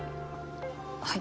はい。